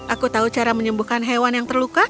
aku tahu cara menyembuhkan hewan yang terluka